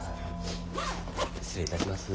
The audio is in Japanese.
失礼いたします。